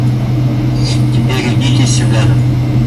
Теперь идите сюда.